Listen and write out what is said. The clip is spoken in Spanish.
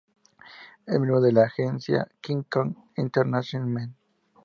Es miembro de la agencia "King Kong Entertainment".